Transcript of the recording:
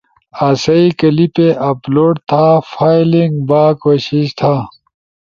آسئیی کلپے اپلوڈ تھا فائلنگ با کوشش تھا؟